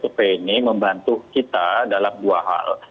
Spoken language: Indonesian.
survei ini membantu kita dalam dua hal